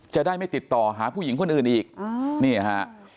จะได้ไม่ติดต่อหาผู้หญิงคนอื่นอีกนี่ฮะ